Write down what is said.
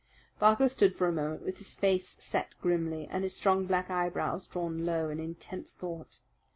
Barker stood for a moment with his face set grimly and his strong black eyebrows drawn low in intense thought.